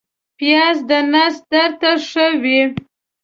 پیاز د نس درد ته ښه وي